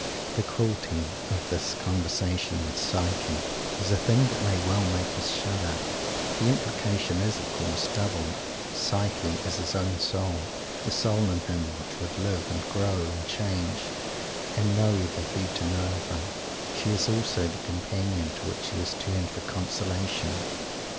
The cruelty of this conversation with "Psyche" is a thing that may well make us shudder. The implication is, of course, double. Psyche is his own soul; the soul in him which would live, and grow, and change, and know the "Vita Nuova." She is also "the Companion," to whom he has turned for consolation.